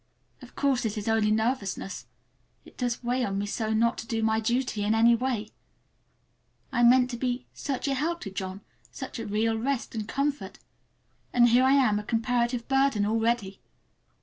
Of course it is only nervousness. It does weigh on me so not to do my duty in any way! I meant to be such a help to John, such a real rest and comfort, and here I am a comparative burden already!